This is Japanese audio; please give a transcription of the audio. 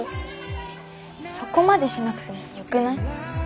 そこまでしなくてもよくない？